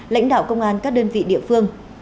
lãnh đạo công an các đơn vị địa phương